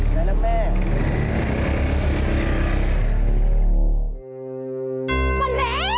ได้แล้วแม่